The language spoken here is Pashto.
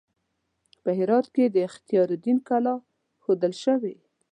په هرات کې د اختیار الدین کلا ښودل شوې.